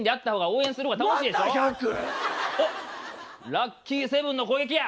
ラッキーセブンの攻撃や。